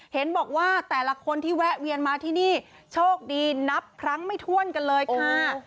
เห็นบอกว่าแต่ละคนที่แวะเวียนมาที่นี่โชคดีนับครั้งไม่ถ้วนกันเลยค่ะ